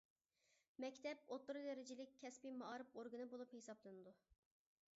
مەكتەپ ئوتتۇرا دەرىجىلىك كەسپىي مائارىپ ئورگىنى بولۇپ ھېسابلىنىدۇ.